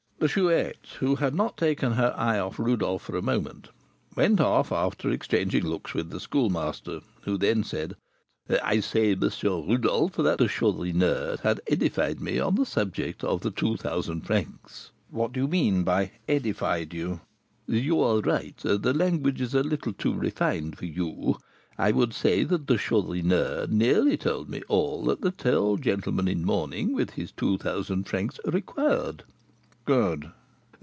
The Chouette, who had not taken her eye off Rodolph for a moment, went off after exchanging looks with the Schoolmaster, who then said: "I say, M. Rodolph, that the Chourineur has edified me on the subject of the two thousand francs." "What do you mean by edified you?" "You are right, the language is a little too refined for you. I would say that the Chourineur nearly told me all that the tall gentleman in mourning, with his two thousand francs, required." "Good."